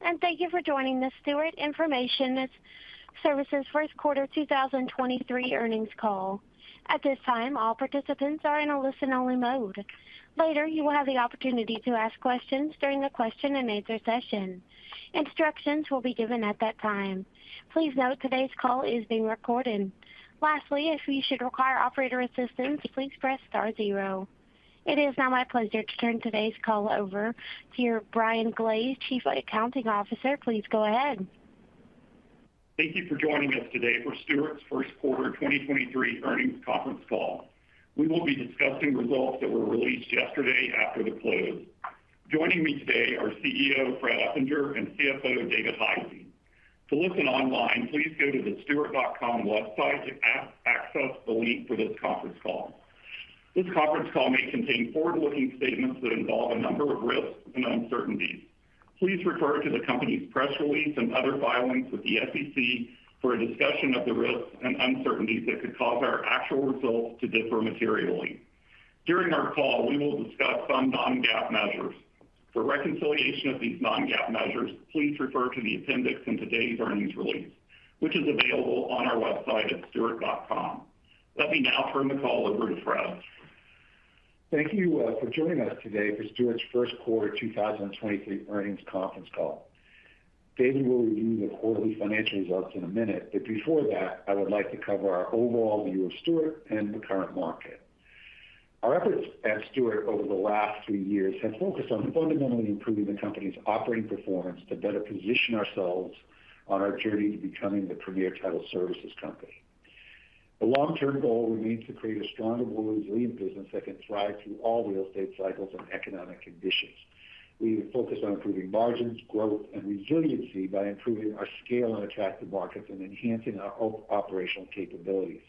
Hello, thank you for joining the Stewart Information Services first quarter 2023 earnings call. At this time, all participants are in a listen-only mode. Later, you will have the opportunity to ask questions during the question-and-answer session. Instructions will be given at that time. Please note today's call is being recorded. Lastly, if you should require operator assistance, please press star zero. It is now my pleasure to turn today's call over to Brian Glaze, Chief Accounting Officer. Please go ahead. Thank you for joining us today for Stewart's first quarter 2023 earnings conference call. We will be discussing results that were released yesterday after the close. Joining me today are CEO, Fred Eppinger, and CFO, David Hisey. To listen online, please go to the stewart.com website to access the link for this conference call. This conference call may contain forward-looking statements that involve a number of risks and uncertainties. Please refer to the company's press release and other filings with the SEC for a discussion of the risks and uncertainties that could cause our actual results to differ materially. During our call, we will discuss some non-GAAP measures. For reconciliation of these non-GAAP measures, please refer to the appendix in today's earnings release, which is available on our website at stewart.com. Let me now turn the call over to Fred. Thank you for joining us today for Stewart's first quarter 2023 earnings conference call. David will review the quarterly financial results in a minute, but before that, I would like to cover our overall view of Stewart and the current market. Our efforts at Stewart over the last 3 years have focused on fundamentally improving the company's operating performance to better position ourselves on our journey to becoming the premier title services company. The long-term goal remains to create a stronger more resilient business that can thrive through all real estate cycles and economic conditions. We focus on improving margins, growth, and resiliency by improving our scale in attractive markets and enhancing our operational capabilities.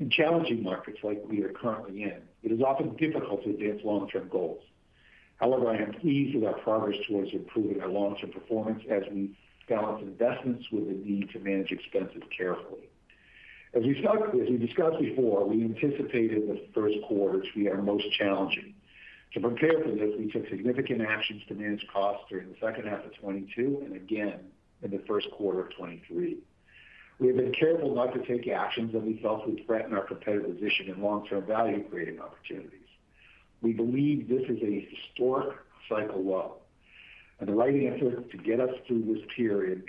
In challenging markets like we are currently in, it is often difficult to advance long-term goals. I am pleased with our progress towards improving our long-term performance as we balance investments with the need to manage expenses carefully. As we discussed before, we anticipated the first quarter to be our most challenging. To prepare for this, we took significant actions to manage costs during the second half of 2022 and again in the first quarter of 2023. We have been careful not to take actions that we felt would threaten our competitive position and long-term value-creating opportunities. We believe this is a historic cycle low, and the right answer to get us through this period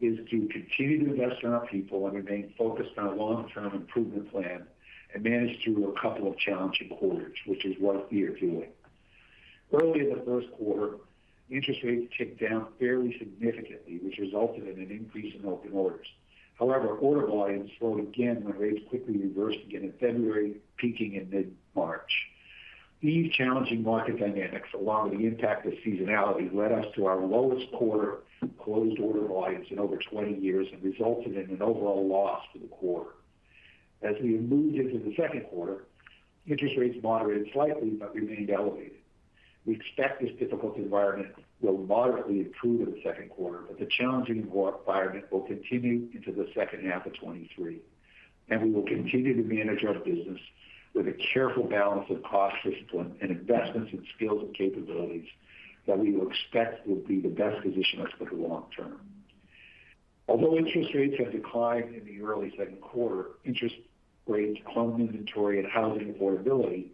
is to continue to invest in our people and remain focused on our long-term improvement plan and manage through a couple of challenging quarters, which is what we are doing. Early in the first quarter, interest rates ticked down fairly significantly, which resulted in an increase in open orders. However, order volumes slowed again when rates quickly reversed again in February, peaking in mid-March. These challenging market dynamics, along with the impact of seasonality, led us to our lowest quarter closed order volumes in over 20 years and resulted in an overall loss for the quarter. As we moved into the second quarter, interest rates moderated slightly but remained elevated. We expect this difficult environment will moderately improve in the second quarter, but the challenging environment will continue into the second half of 2023, and we will continue to manage our business with a careful balance of cost discipline and investments in skills and capabilities that we expect will be the best position us for the long term. Although interest rates have declined in the early second quarter, interest rates, home inventory, and housing affordability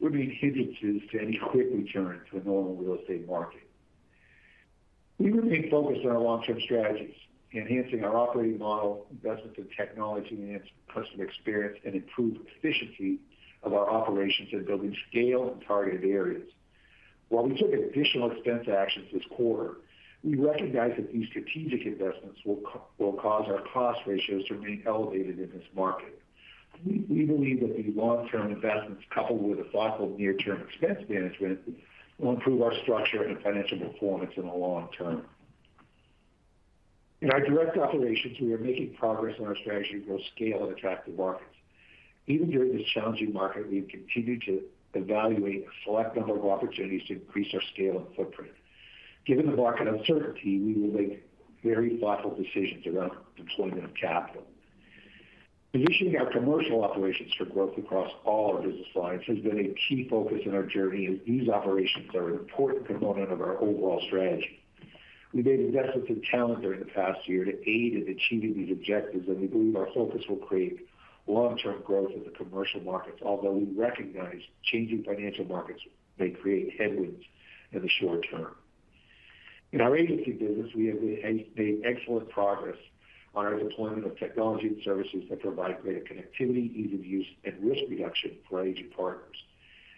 would be hindrances to any quick return to a normal real estate market. We remain focused on our long-term strategies, enhancing our operating model, investments in technology, enhance customer experience, and improve efficiency of our operations in building scale in targeted areas. While we took additional expense actions this quarter, we recognize that these strategic investments will cause our cost ratios to remain elevated in this market. We believe that the long-term investments, coupled with a thoughtful near-term expense management, will improve our structure and financial performance in the long term. In our direct operations, we are making progress on our strategy to grow scale in attractive markets. Even during this challenging market, we've continued to evaluate a select number of opportunities to increase our scale and footprint. Given the market uncertainty, we will make very thoughtful decisions around deployment of capital. Positioning our commercial operations for growth across all our business lines has been a key focus in our journey, as these operations are an important component of our overall strategy. We made investments in talent during the past year to aid in achieving these objectives. We believe our focus will create long-term growth in the commercial markets, although we recognize changing financial markets may create headwinds in the short term. In our agency business, we have made excellent progress on our deployment of technology and services that provide greater connectivity, ease of use, and risk reduction for agency partners.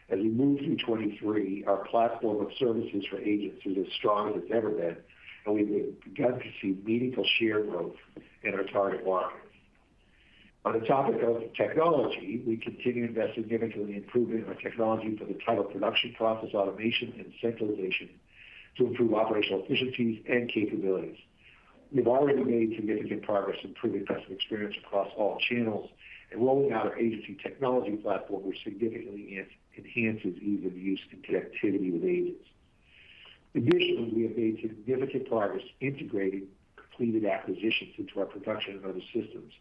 As we move through 2023, our platform of services for agencies is strong as it's ever been. We've begun to see meaningful share growth in our target markets. On the topic of technology, we continue to invest significantly in improving our technology for the title production process, automation, and centralization to improve operational efficiencies and capabilities. We've already made significant progress improving customer experience across all channels and rolling out our agency technology platform, which significantly enhances ease of use and connectivity with agents. We have made significant progress integrating completed acquisitions into our production of other systems,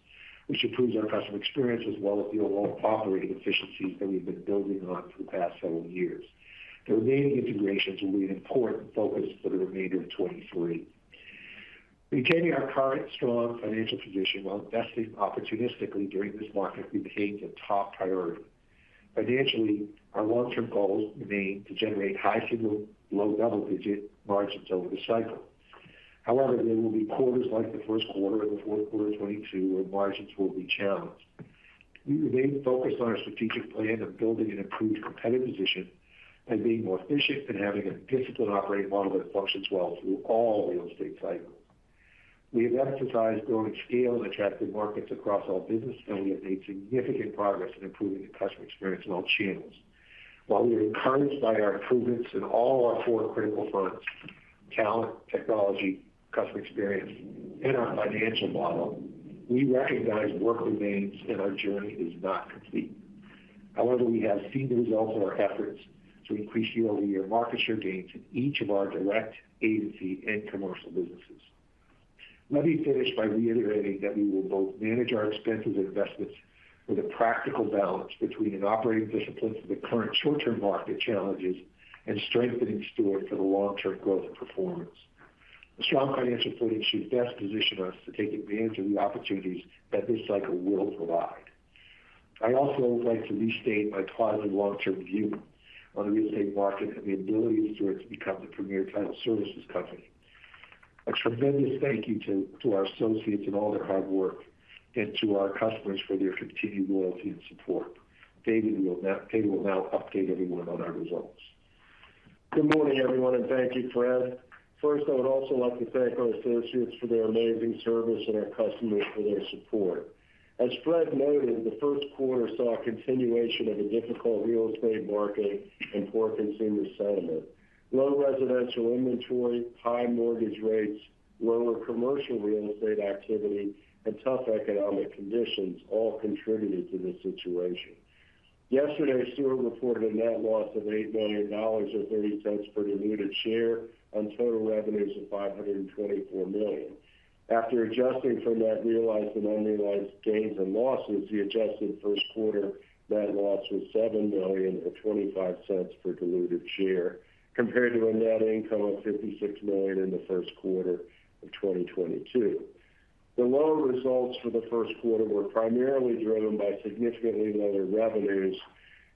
which improves our customer experience as well as the overall operating efficiencies that we've been building on for the past several years. The remaining integrations will be an important focus for the remainder of 23. Maintaining our current strong financial position while investing opportunistically during this market remains a top priority. Financially, our long-term goals remain to generate high single, low double-digit margins over the cycle. There will be quarters like the 1st quarter and the 4th quarter of 2022 where margins will be challenged. We remain focused on our strategic plan of building an improved competitive position and being more efficient and having a disciplined operating model that functions well through all real estate cycles. We have emphasized growing scale in attractive markets across our business, and we have made significant progress in improving the customer experience in all channels. While we are encouraged by our improvements in all our 4 critical fronts: talent, technology, customer experience, and our financial model, we recognize work remains and our journey is not complete. We have seen the results of our efforts to increase year-over-year market share gains in each of our direct agency and commercial businesses. Let me finish by reiterating that we will both manage our expenses and investments with a practical balance between an operating discipline for the current short-term market challenges and strengthening Stewart for the long-term growth and performance. A strong financial footing should best position us to take advantage of the opportunities that this cycle will provide. I also would like to restate my positive long-term view on the real estate market and the ability of Stewart to become the premier title services company. A tremendous thank you to our associates and all their hard work and to our customers for their continued loyalty and support. Dave will now update everyone on our results. Good morning, everyone, thank you, Fred. First, I would also like to thank our associates for their amazing service and our customers for their support. As Fred noted, the first quarter saw a continuation of a difficult real estate market and poor consumer sentiment. Low residential inventory, high mortgage rates, lower commercial real estate activity, and tough economic conditions all contributed to this situation. Yesterday, Stewart reported a net loss of $8 million or $0.30 per diluted share on total revenues of $524 million. After adjusting for net realized and unrealized gains and losses, the adjusted first quarter net loss was $7 million or $0.25 per diluted share, compared to a net income of $56 million in the first quarter of 2022. The lower results for the first quarter were primarily driven by significantly lower revenues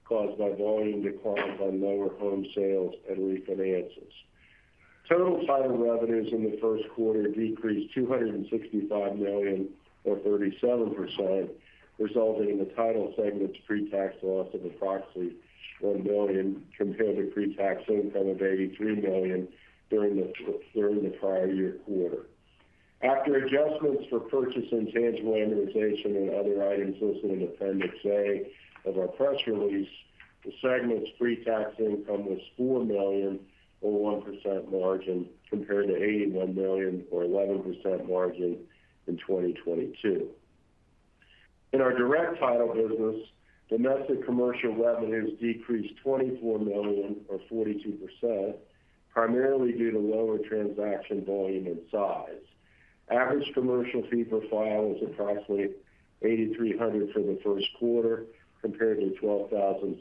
caused by volume declines on lower home sales and refinances. Total title revenues in the first quarter decreased $265 million or 37%, resulting in the title segment's pre-tax loss of approximately $1 million compared to pre-tax income of $83 million during the prior year quarter. After adjustments for purchase intangible amortization and other items listed in Appendix A of our press release, the segment's pre-tax income was $4 million or 1% margin compared to $81 million or 11% margin in 2022. In our direct title business, domestic commercial revenues decreased $24 million or 42%, primarily due to lower transaction volume and size. Average commercial fee per file was approximately $8,300 for the first quarter compared to $12,700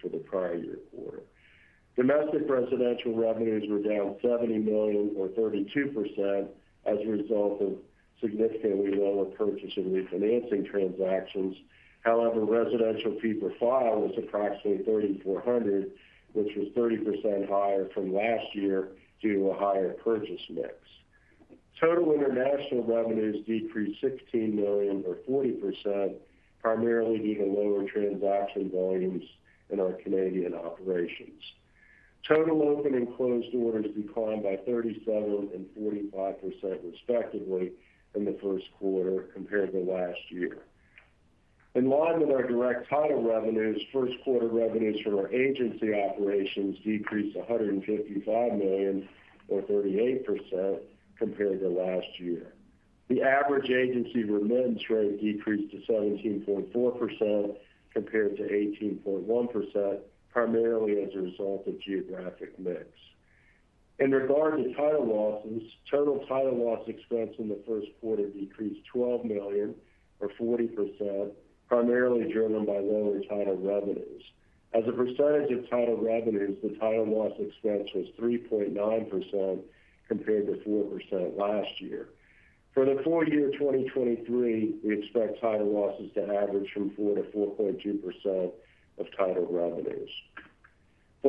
for the prior year quarter. Domestic residential revenues were down $70 million or 32% as a result of significantly lower purchase and refinancing transactions. However, residential fee per file was approximately $3,400, which was 30% higher from last year due to a higher purchase mix. Total international revenues decreased $16 million or 40%, primarily due to lower transaction volumes in our Canadian operations. Total open and closed orders declined by 37% and 45%, respectively, in the first quarter compared to last year. In line with our direct title revenues, first quarter revenues from our agency operations decreased $155 million or 38% compared to last year. The average agency remittance rate decreased to 17.4% compared to 18.1%, primarily as a result of geographic mix. In regard to title losses, total title loss expense in the first quarter decreased $12 million or 40%, primarily driven by lower title revenues. As a percentage of title revenues, the title loss expense was 3.9% compared to 4% last year. For the full year 2023, we expect title losses to average from 4%-4.2% of title revenues. For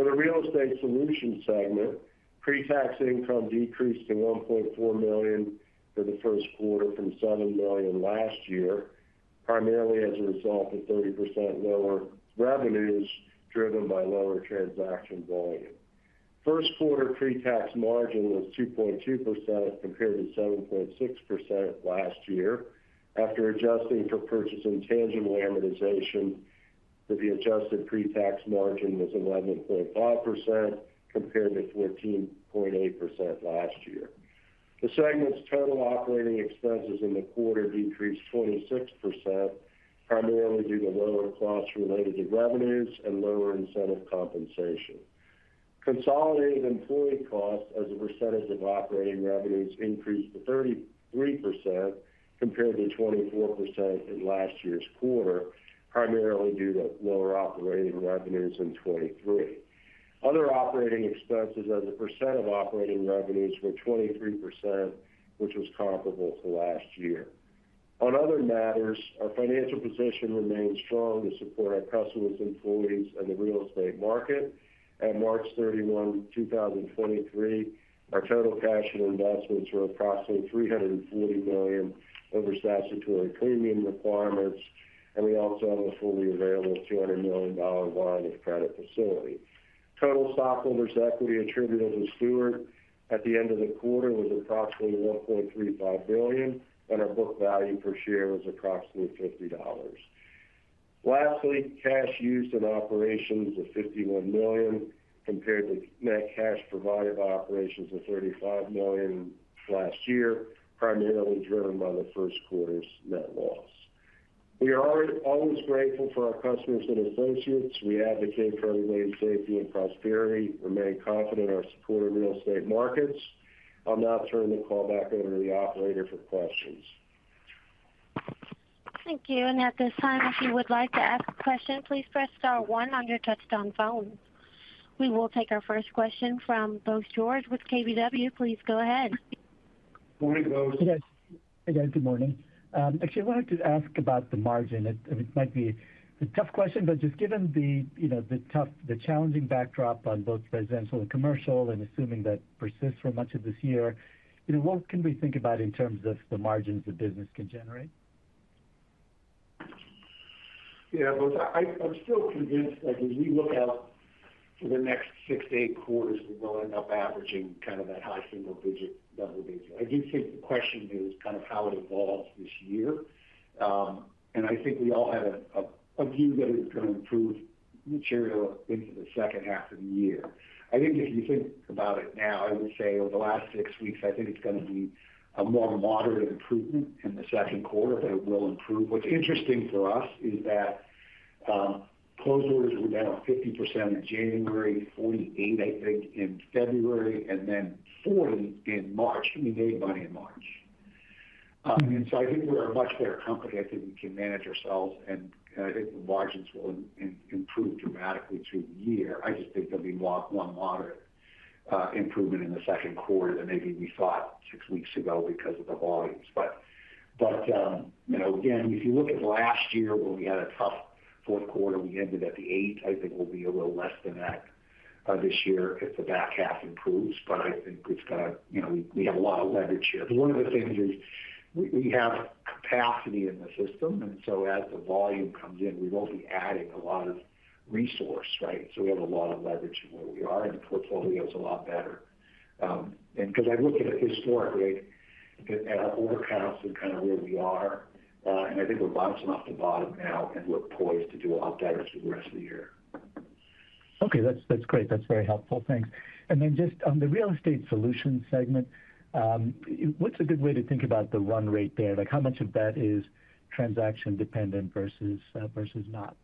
the Real Estate Solutions segment, pre-tax income decreased to $1.4 million for the first quarter from $7 million last year, primarily as a result of 30% lower revenues driven by lower transaction volume. First quarter pre-tax margin was 2.2% compared to 7.6% last year. After adjusting for purchase intangible amortization, the adjusted pre-tax margin was 11.5% compared to 14.8% last year. The segment's total operating expenses in the quarter decreased 26%, primarily due to lower costs related to revenues and lower incentive compensation. Consolidated employee costs as a percentage of operating revenues increased to 33% compared to 24% in last year's quarter, primarily due to lower operating revenues in 2023. Other operating expenses as a percent of operating revenues were 23%, which was comparable to last year. On other matters, our financial position remains strong to support our customers, employees, and the real estate market. At March 31, 2023, our total cash and investments were approximately $340 million over statutory premium requirements, and we also have a fully available $200 million line of credit facility. Total stockholders' equity attributable to Stewart at the end of the quarter was approximately $1.35 billion, and our book value per share was approximately $50. Lastly, cash used in operations of $51 million compared to net cash provided by operations of $35 million last year, primarily driven by the first quarter's net loss. We are always grateful for our customers and associates. We advocate for their safety and prosperity. Remain confident in our support of real estate markets. I'll now turn the call back over to the operator for questions. Thank you. At this time, if you would like to ask a question, please press star one on your touch-tone phone. We will take our first question from Bose George with KBW. Please go ahead. Morning, Bose. Hey, guys. Good morning. Actually, I wanted to ask about the margin. I mean, it might be a tough question, but just given the, you know, the challenging backdrop on both residential and commercial, and assuming that persists for much of this year, you know, what can we think about in terms of the margins the business can generate? Bose, I'm still convinced that when we look out for the next six to eight quarters, we will end up averaging kind of that high single digit, double digit. I do think the question is kind of how it evolves this year. I think we all had a view that it was going to improve material into the second half of the year. I think if you think about it now, I would say over the last six weeks, I think it's going to be a more moderate improvement in the second quarter, but it will improve. What's interesting for us is that, close orders were down 50% in January, 48, I think, in February, and then 40 in March. I mean, they money in March. I think we are much better company. I think we can manage ourselves, and I think the margins will improve dramatically through the year. I just think there'll be one moderate improvement in the second quarter than maybe we thought six weeks ago because of the volumes. you know, again, if you look at last year when we had a tough fourth quarter, we ended at 8%. I think we'll be a little less than that this year if the back half improves. I think it's got a you know, we have a lot of leverage here. One of the things is we have capacity in the system, and so as the volume comes in, we won't be adding a lot of resource, right? We have a lot of leverage from where we are, and the portfolio is a lot better. 'Cause I look at it historically at our order counts and kind of where we are, and I think we're bouncing off the bottom now, and we're poised to do a lot better through the rest of the year. Okay. That's great. That's very helpful. Thanks. Then just on the Real Estate Solutions segment, what's a good way to think about the run rate there? Like, how much of that is transaction dependent versus versus not?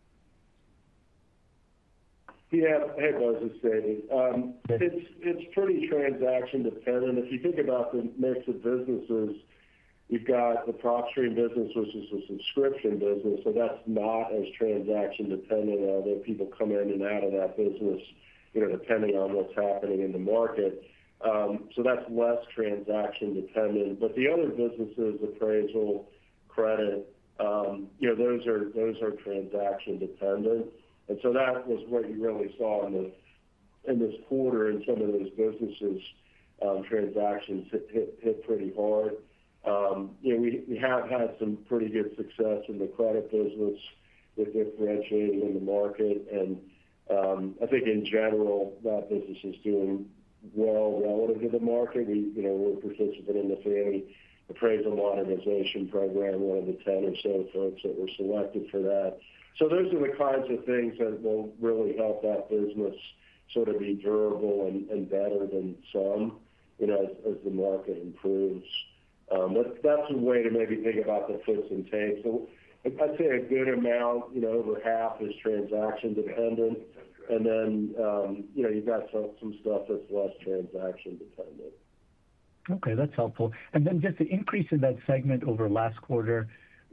Yeah. Hey, Bose. It's David. It's pretty transaction dependent. If you think about the mix of businesses, we've got the PropStream business, which is a subscription business, so that's not as transaction dependent, although people come in and out of that business, you know, depending on what's happening in the market. That's less transaction dependent. The other businesses, appraisal, credit, you know, those are transaction dependent. That was what you really saw in this quarter in some of those businesses, transactions hit pretty hard. You know, we have had some pretty good success in the credit business with differentiating in the market. I think in general, that business is doing well relative to the market. We, you know, we're a participant in the Fannie Mae appraisal modernization program, one of the 10 or so folks that were selected for that. Those are the kinds of things that will really help that business sort of be durable and better than some, you know, as the market improves. That's a way to maybe think about the puts and takes. I'd say a good amount, you know, over half is transaction dependent. You know, you've got some stuff that's less transaction dependent. Okay, that's helpful. Just the increase in that segment over last quarter,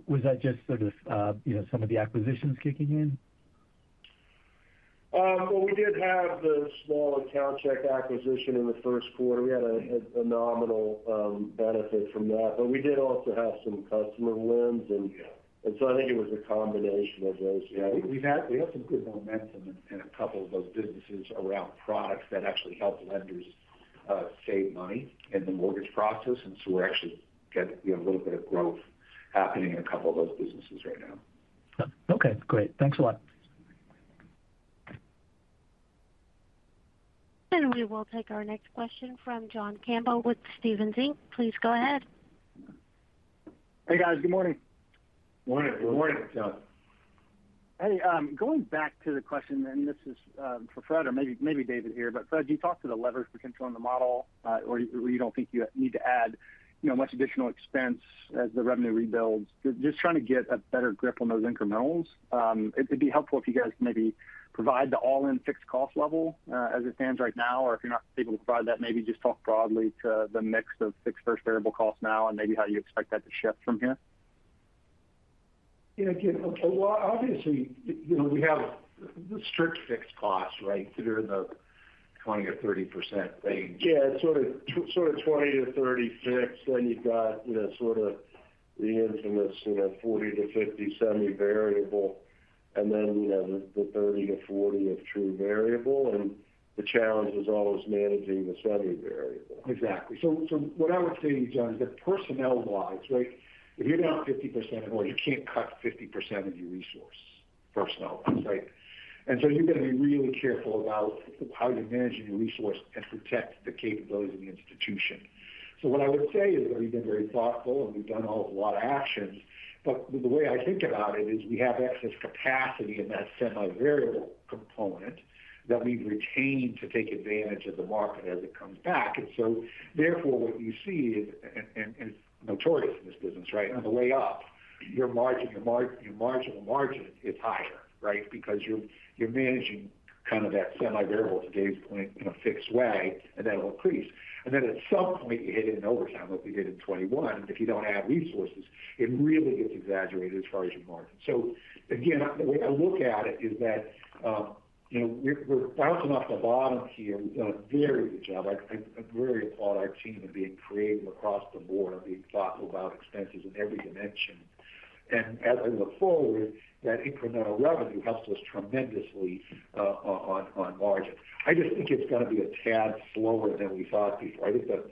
was that just sort of, you know, some of the acquisitions kicking in? Well, we did have the small AccountChek acquisition in the first quarter. We had a nominal benefit from that. We did also have some customer wins and so I think it was a combination of those. We have some good momentum in a couple of those businesses around products that actually help lenders save money in the mortgage process. We're actually, you know, a little bit of growth happening in a couple of those businesses right now. Okay, great. Thanks a lot. We will take our next question from John Campbell with Stephens Inc. Please go ahead. Hey guys, good morning. Morning. Morning, John. Hey, going back to the question, and this is for Fred or maybe David here, but Fred, you talked to the levers for controlling the model, or you don't think you need to add, you know, much additional expense as the revenue rebuilds. Just trying to get a better grip on those incrementals. It'd be helpful if you guys maybe provide the all-in fixed cost level as it stands right now, or if you're not able to provide that, maybe just talk broadly to the mix of fixed versus variable costs now and maybe how you expect that to shift from here. Again, obviously, you know, we have the strict fixed costs, right, that are the 20% or 30% range. Sort of 20 to 30 fixed. You've got, you know, sort of the infamous, you know, 40 to 50 semi-variable, and then, you know, the 30 to 40 of true variable. The challenge is always managing the semi-variable. Exactly. So what I would say, John, that personnel wise, right, if you're down 50% of order, you can't cut 50% of your resource personnel, right? You've got to be really careful about how you're managing your resource and protect the capabilities of the institution. What I would say is that we've been very thoughtful, and we've done a lot of actions. The way I think about it is we have excess capacity in that semi-variable component that we've retained to take advantage of the market as it comes back. What you see is, it's notorious in this business, right, on the way up, your marginal margin is higher, right? You're managing kind of that semi-variable to Dave's point in a fixed way, and that'll increase. At some point, you hit an overtime like we hit in 21. If you don't have resources, it really gets exaggerated as far as your margin. The way I look at it is that, you know, we're bouncing off the bottom here. We've done a very good job. I really applaud our team in being creative across the board and being thoughtful about expenses in every dimension. As I look forward, that incremental revenue helps us tremendously on margin. I just think it's gonna be a tad slower than we thought before. I think the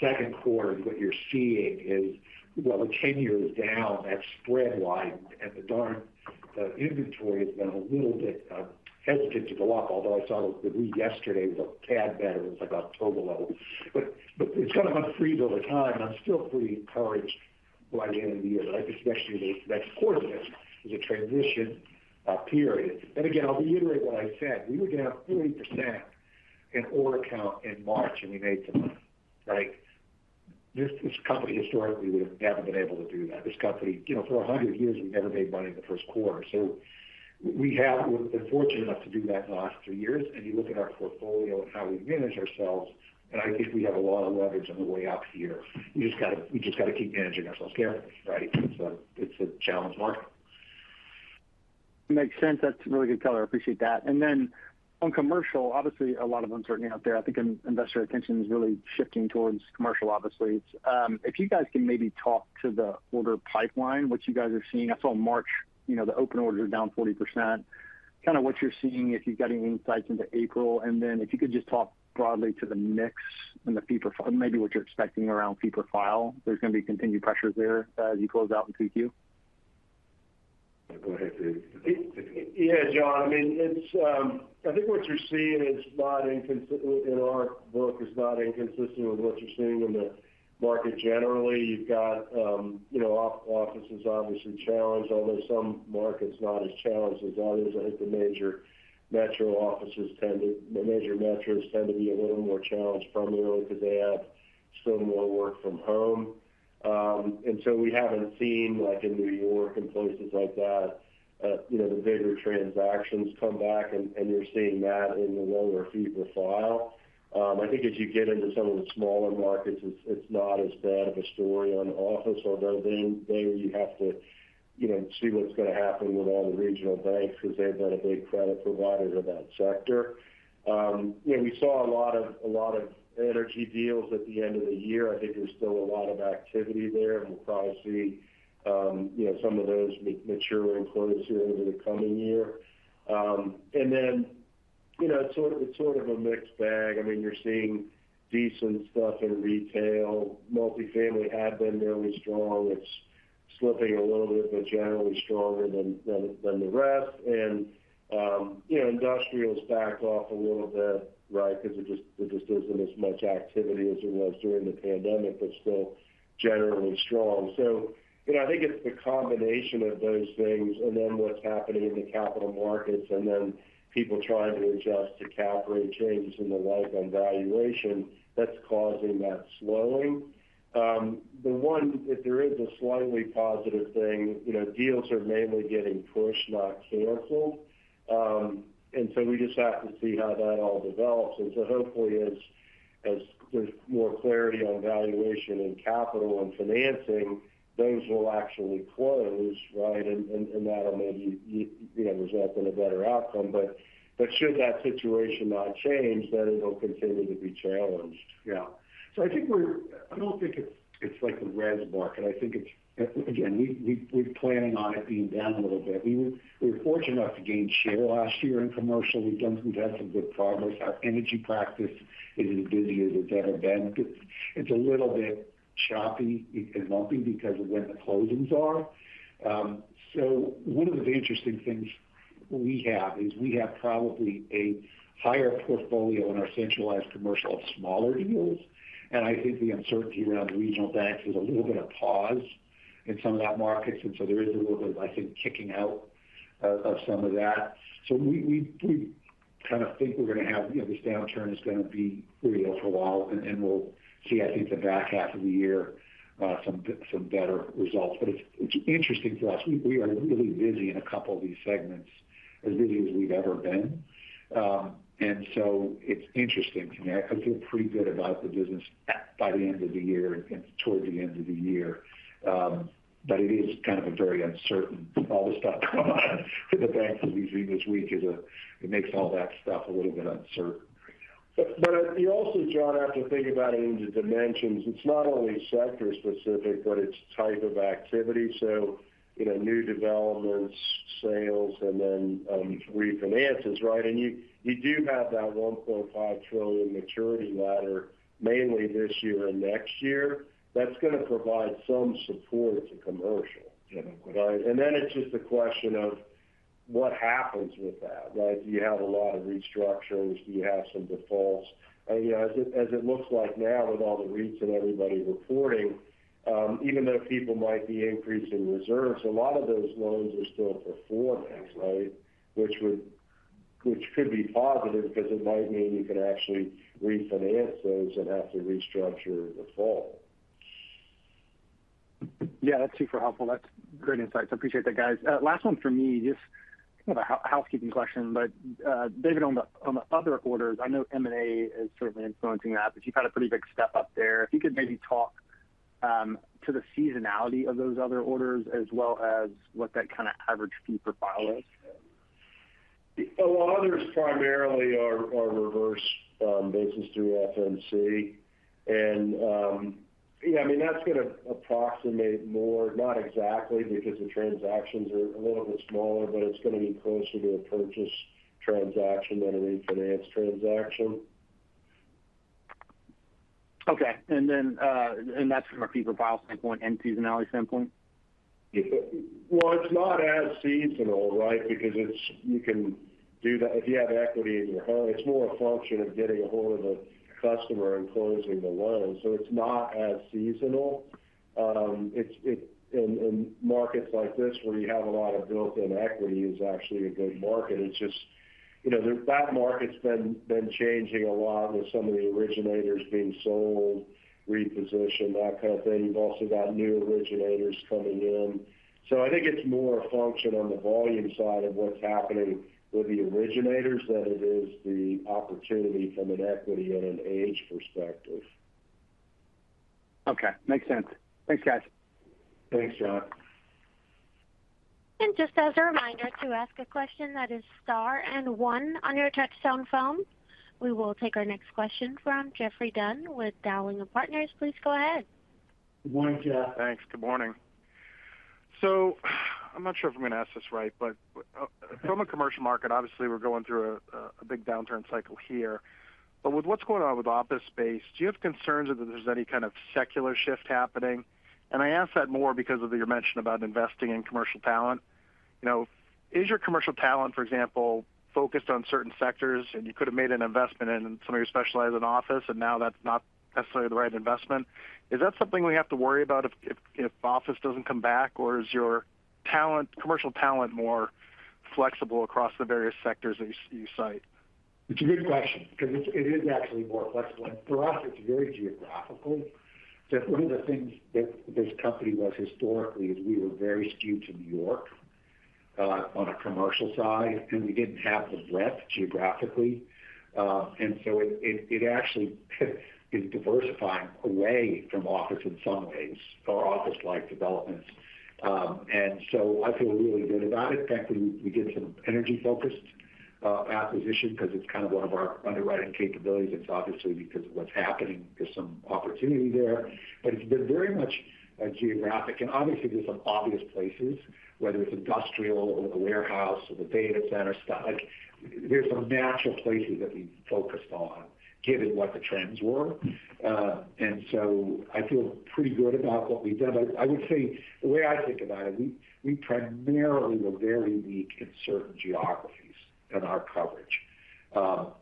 second quarter, what you're seeing is, well, the ten-year is down that spread wide and the darn inventory has been a little bit hesitant to go up. Although I saw the read yesterday was a tad better. It was like October lows. It's gonna unfreeze over time. I'm still pretty encouraged by the end of the year. Right. It's actually the next quarter that is a transition period. Again, I'll reiterate what I said. We were down 40% in order count in March, and we made some money, right? This company historically would have never been able to do that. This company, you know, for 100 years, we never made money in the first quarter. We've been fortunate enough to do that in the last three years. You look at our portfolio and how we manage ourselves, and I think we have a lot of leverage on the way up here. We just gotta keep managing ourselves carefully, right? It's a, it's a challenge market. Makes sense. That's really good color. I appreciate that. Then on commercial, obviously a lot of uncertainty out there. I think investor attention is really shifting towards commercial, obviously. If you guys can maybe talk to the order pipeline, what you guys are seeing. I saw in March, you know, the open orders are down 40%. Kind of what you're seeing, if you've got any insights into April, and then if you could just talk broadly to the mix and or maybe what you're expecting around fee per file. There's gonna be continued pressures there as you close out in 2Q. Go ahead, Dave. Yeah, John. I mean, it's, I think what you're seeing is not inconsistent in our book is not inconsistent with what you're seeing in the market generally. You've got, you know, offices obviously challenged, although some markets not as challenged as others. I think the major metro offices the major metros tend to be a little more challenged primarily because they have still more work from home. We haven't seen, like in New York and places like that, you know, the bigger transactions come back and you're seeing that in the lower fee per file. I think as you get into some of the smaller markets, it's not as bad of a story on office, although then you have to, you know, see what's gonna happen with all the regional banks because they've been a big credit provider to that sector. You know, we saw a lot of energy deals at the end of the year. I think there's still a lot of activity there, and we'll probably see, you know, some of those mature and close here over the coming year. Then, you know, it's sort of a mixed bag. I mean, you're seeing decent stuff in retail. Multifamily had been really strong. It's slipping a little bit, but generally stronger than the rest. You know, industrial's backed off a little bit, right, because there just isn't as much activity as there was during the pandemic, but still generally strong. You know, I think it's the combination of those things and then what's happening in the capital markets and then people trying to adjust to calibrate changes in the WAC on valuation that's causing that slowing. The one if there is a slightly positive thing, you know, deals are mainly getting pushed, not canceled. We just have to see how that all develops. Hopefully, as there's more clarity on valuation and capital and financing, those will actually close, right? And that'll maybe you know, result in a better outcome. But should that situation not change, then it'll continue to be challenged. Yeah. I think we're I don't think it's like the res market. I think it's, again, we're planning on it being down a little bit. We were fortunate enough to gain share last year in commercial. We've had some good progress. Our energy practice is as busy as it's ever been. It's a little bit choppy and lumpy because of when the closings are. One of the interesting things we have is we have probably a higher portfolio in our centralized commercial of smaller deals. I think the uncertainty around regional banks is a little bit of pause in some of that markets. There is a little bit of, I think, kicking out of some of that. We kind of think we're going to have, you know, this downturn is going to be real for a while, and we'll see, I think, the back half of the year, some better results. It's interesting to us. We are really busy in a couple of these segments, as busy as we've ever been. It's interesting to me. I feel pretty good about the business by the end of the year and toward the end of the year. It is kind of a very uncertain. All the stuff going on with the banks that we see this week, it makes all that stuff a little bit uncertain. You also, John, have to think about it in the dimensions. It's not only sector-specific, but it's type of activity. you know, new developments, sales, and then, refinances, right? You, you do have that $1.5 trillion maturity ladder mainly this year and next year. That's going to provide some support to commercial. Yeah. Right? It's just a question of what happens with that, right? Do you have a lot of restructurings? Do you have some defaults? You know, as it looks like now with all the REITs and everybody reporting, even though people might be increasing reserves, a lot of those loans are still performance, right? Which could be positive because it might mean you can actually refinance those that have to restructure default. Yeah, that's super helpful. That's great insights. I appreciate that, guys. Last one for me. Just kind of a housekeeping question. David, on the, on the other orders, I know M&A is certainly influencing that, but you've had a pretty big step up there. If you could maybe talk to the seasonality of those other orders as well as what that kind of average fee per file is? Well, others primarily are reverse basis through FMC. Yeah, I mean, that's going to approximate more, not exactly because the transactions are a little bit smaller, but it's going to be closer to a purchase transaction than a refinance transaction. Okay. That's from a fee per file standpoint and seasonality standpoint? It's not as seasonal, right? Because it's you can do that if you have equity in your home. It's more a function of getting a hold of a customer and closing the loan. It's not as seasonal. It's in markets like this where you have a lot of built-in equity is actually a good market. It's just, you know, that market's been changing a lot with some of the originators being sold, repositioned, that kind of thing. You've also got new originators coming in. I think it's more a function on the volume side of what's happening with the originators than it is the opportunity from an equity and an age perspective. Okay. Makes sense. Thanks, guys. Thanks, John. Just as a reminder to ask a question that is star and one on your touchtone phone. We will take our next question from Geoffrey Dunn with Dowling & Partners. Please go ahead. Good morning, Geoff. Thanks. Good morning. I'm not sure if I'm going to ask this right, but from a commercial market, obviously, we're going through a big downturn cycle here. With what's going on with office space, do you have concerns that there's any kind of secular shift happening? I ask that more because of your mention about investing in commercial talent. You know, is your commercial talent, for example, focused on certain sectors, and you could have made an investment in some of your specialized in office, and now that's not necessarily the right investment? Is that something we have to worry about if office doesn't come back? Is your talent, commercial talent more flexible across the various sectors that you cite? It's a good question because it is actually more flexible. For us, it's very geographical. One of the things that this company was historically is we were very skewed to New York on a commercial side, and we didn't have the breadth geographically. It actually is diversifying away from office in some ways or office-like developments. I feel really good about it. In fact, we did some energy-focused acquisition because it's kind of one of our underwriting capabilities. It's obviously because of what's happening. There's some opportunity there. It's been very much a geographic. Obviously, there's some obvious places, whether it's industrial or the warehouse or the data center stuff. Like there's some natural places that we focused on given what the trends were. I feel pretty good about what we've done. I would say the way I think about it, we primarily were very weak in certain geographies in our coverage,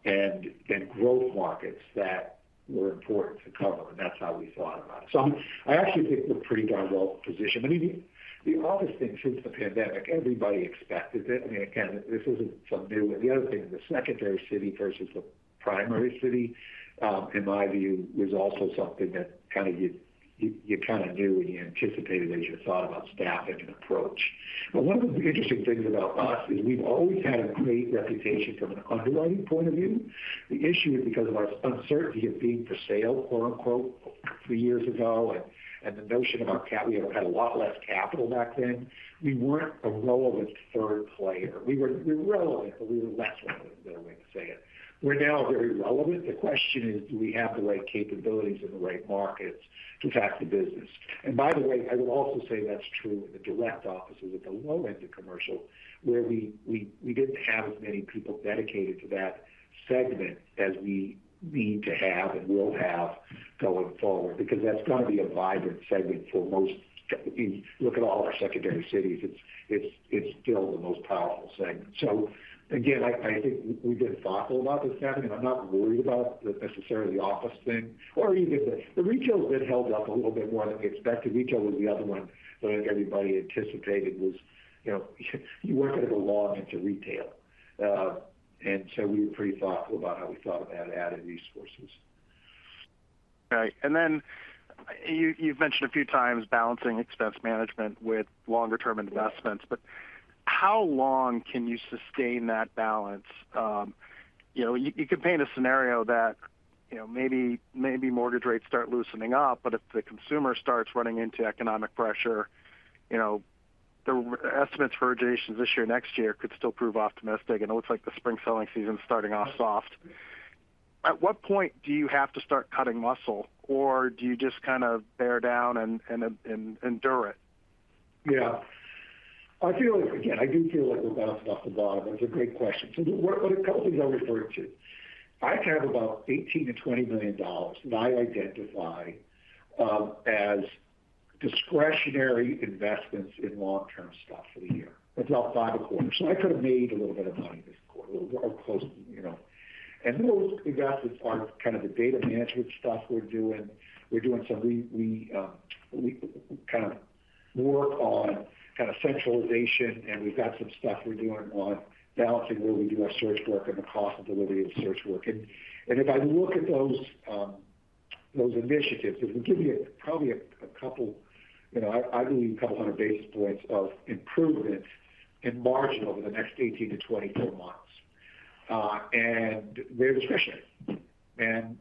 and in growth markets that were important to cover, and that's how we thought about it. I actually think we're pretty darn well positioned. I mean, the office thing since the pandemic, everybody expected it. I mean, again, this isn't something new. The other thing, the secondary city versus the primary city, in my view, was also something that kind of you kind of knew and you anticipated as you thought about staffing and approach. One of the interesting things about us is we've always had a great reputation from an underwriting point of view. The issue is because of our uncertainty of being for sale, quote-unquote, three years ago, and the notion of our cap, we had a lot less capital back then. We weren't a relevant third player. We were relevant, but we were less relevant, is another way to say it. We're now very relevant. The question is, do we have the right capabilities in the right markets to attack the business? By the way, I would also say that's true in the direct offices at the low end of commercial, where we didn't have as many people dedicated to that segment as we need to have and will have going forward, because that's going to be a vibrant segment for most. I mean, look at all our secondary cities. It's still the most powerful segment. Again, I think we've been thoughtful about this happening. I'm not worried about the necessarily office thing or even the retail has been held up a little bit more than we expected. Retail was the other one that I think everybody anticipated was, you know, you weren't going to go long into retail. We were pretty thoughtful about how we thought about adding resources. Right. you've mentioned a few times balancing expense management with longer term investments. How long can you sustain that balance? you know, you can paint a scenario that, you know, mortgage rates start loosening up, but if the consumer starts running into economic pressure, you know, the estimates for originations this year, next year could still prove optimistic. It looks like the spring selling season is starting off soft. At what point do you have to start cutting muscle, or do you just kind of bear down and endure it? Yeah. I feel like, again, I do feel like we're bouncing off the bottom. It's a great question. What a couple things I referred to. I have about $18 million-$20 million that I identify as discretionary investments in long-term stuff for the year. It's about $5 a quarter. I could have made a little bit of money this quarter or close, you know. Those investments are kind of the data management stuff we're doing. We're doing some kind of more on kind of centralization. We've got some stuff we're doing on balancing where we do our search work and the cost delivery of search work. If I look at those initiatives, it would give you probably a couple, you know, I believe 200 basis points of improvement in margin over the next 18-24 months. They're discretionary.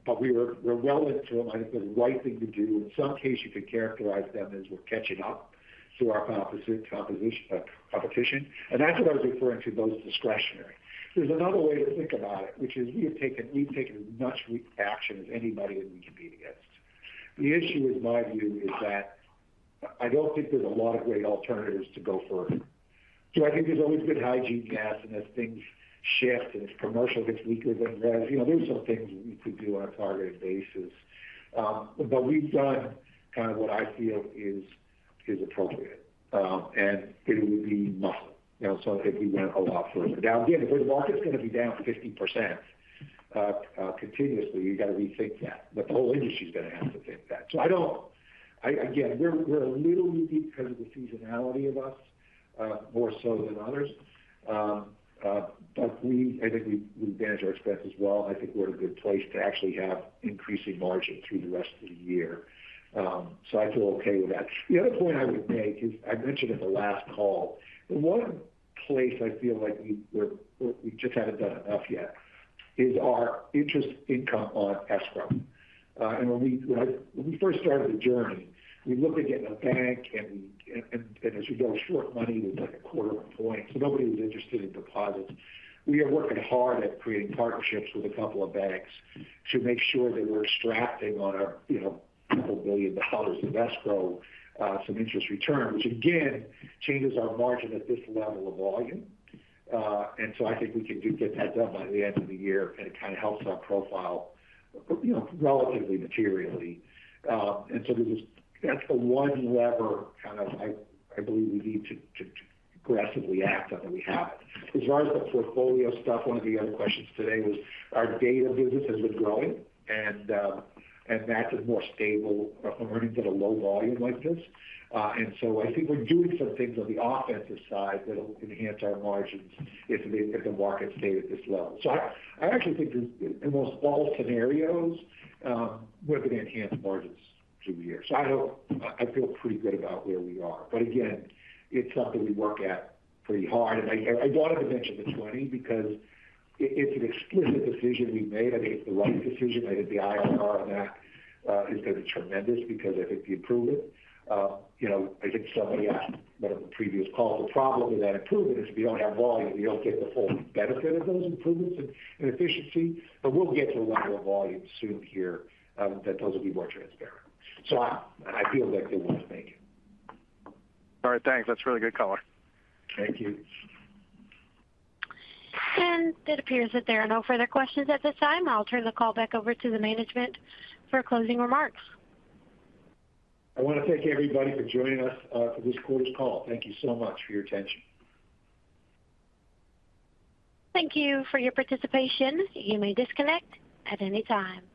We're well into them. I think the right thing to do in some case, you could characterize them as we're catching up to our competition, competition. That's what I was referring to those as discretionary. There's another way to think about it, which is we've taken as much action as anybody that we compete against. The issue in my view is that I don't think there's a lot of great alternatives to go further. I think there's always been hygiene gaps. As things shift and as commercial gets weaker, there's, you know, there's some things we could do on a targeted basis. We've done kind of what I feel is appropriate, and it would be nothing, you know, if we went a lot further down. Again, if the market's gonna be down 50% continuously, you got to rethink that. The whole industry is gonna have to think that. I don't. Again, we're a little weak because of the seasonality of us, more so than others. I think we manage our expenses well. I think we're in a good place to actually have increasing margin through the rest of the year. I feel okay with that. The other point I would make is I mentioned at the last call, one place I feel like we just haven't done enough yet is our interest income on escrow. When we first started the journey, we looked at getting a bank and as we got short money, we were like a quarter of a point, so nobody was interested in deposits. We are working hard at creating partnerships with a couple of banks to make sure that we're extracting on our, you know, couple billion dollars in escrow, some interest return, which again, changes our margin at this level of volume. I think we can do get that done by the end of the year, and it kind of helps our profile, you know, relatively materially. That's the one lever kind of I believe we need to aggressively act on, and we have it. As far as the portfolio stuff, one of the other questions today was our data business has been growing and that is more stable earnings at a low volume like this. I think we're doing some things on the offensive side that'll enhance our margins if the, if the market stayed at this level. I actually think there's in most all scenarios, we're gonna enhance margins through the year. I feel pretty good about where we are. It's something we work at pretty hard. I wanted to mention the 20 because it's an explicit decision we made. I think it's the right decision. I think the IRR on that is gonna be tremendous because I think the improvement, you know, I think somebody asked that on the previous call. The problem with that improvement is if you don't have volume, you don't get the full benefit of those improvements in efficiency. We'll get to a level of volume soon here that those will be more transparent. I feel like they want to thank you. All right, thanks. That's really good color. Thank you. It appears that there are no further questions at this time. I'll turn the call back over to the management for closing remarks. I want to thank everybody for joining us, for this quarter's call. Thank you so much for your attention. Thank you for your participation. You may disconnect at any time.